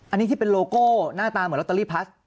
อันนี้ที่เป็นโลโก้หน้าตาเหมือนลอตเตอรี่พลัส